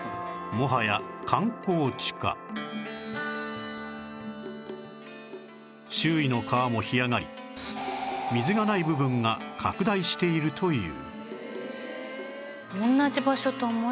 もはや観光地化周囲の川も干上がり水がない部分が拡大しているという